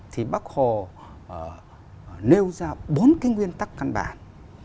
thì bác hồ nêu ra bốn cái nguyên tắc căn bản